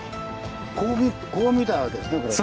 こう見たわけですねこれね。